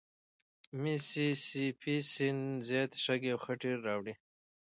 میسي سي پي سیند زیاتي شګې او خټې راوړي.